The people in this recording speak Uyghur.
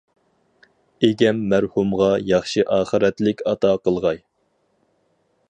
ئىگەم مەرھۇمغا ياخشى ئاخىرەتلىك ئاتا قىلغاي.